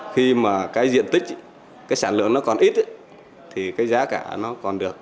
khi mà cái diện tích cái sản lượng nó còn ít thì cái giá cả nó còn được